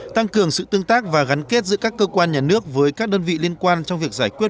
tăng cường sự tương tác và gắn kết giữa các cơ quan nhà nước với các đơn vị liên quan trong việc giải quyết